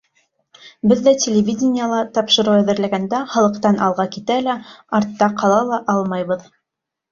Беҙ ҙә телевидениела тапшырыу әҙерләгәндә халыҡтан алға китә лә, артта ҡала ла алмайбыҙ.